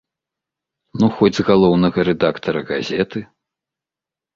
Ну хоць з галоўнага рэдактара газеты!